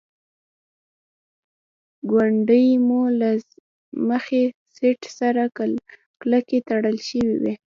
ګونډې مو له مخکې سیټ سره کلکې تړل شوې وې.